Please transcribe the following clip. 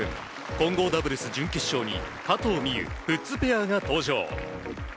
混合ダブルス準決勝に加藤未唯、プッツペアが登場。